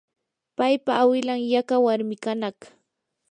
paypa awilan yaqa warmi kanaq.